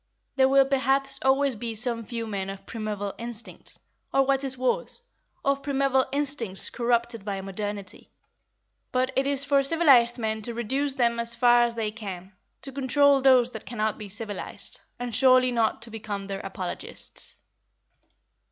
There will perhaps always be some few men of primeval instincts, or what is worse, of primeval instincts corrupted by modernity; but it is for civilised men to reduce them as far as they can, to control those that cannot be civilised, and surely not to become their apologists.